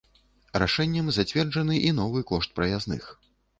Рашэннем зацверджаны і новы кошт праязных.